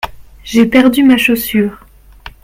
J’ai perdu ma chaussure.